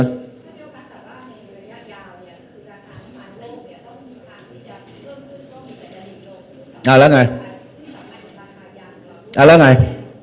อ่าแล้วไงอ่าแล้วไง